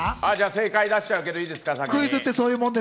正解出しちゃうけど、いいですか？